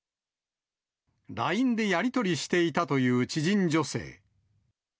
ＬＩＮＥでやり取りしていたという知人女性。